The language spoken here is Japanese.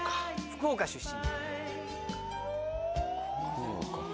福岡出身。